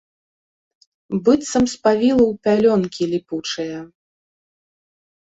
Быццам спавіла ў пялёнкі ліпучыя.